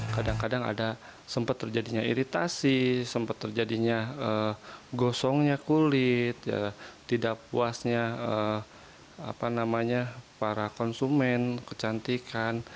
kadang kadang ada sempat terjadinya iritasi sempat terjadinya gosongnya kulit tidak puasnya para konsumen kecantikan